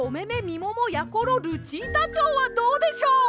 みももやころルチータチョウ」はどうでしょう？